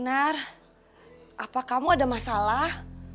apa kamu ada masalah